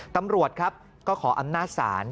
ตำรวจครับก็ขออำนาจศาล